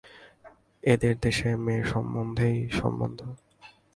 এদের দেশে মেয়ের সম্বন্ধেই সম্বন্ধ।